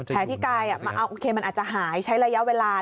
แผลที่ใกล้โอเคมันอาจจะหายใช้ระยะเวลา